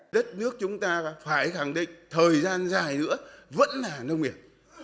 đất nước chúng ta phải khẳng định thời gian dài nữa vẫn là nông nghiệp